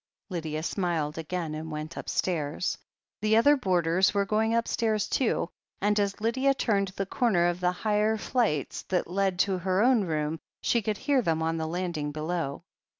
Lydia smiled again, and went upstairs. The other boarders were going upstairs too, and as Lydia turned the comer of the higher flights that led to her own room, she could hear them on the landing below.